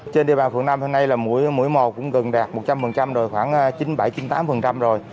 trên địa bàn phường năm hôm nay là mỗi một cũng gần đạt một trăm linh rồi khoảng chín mươi bảy chín mươi tám rồi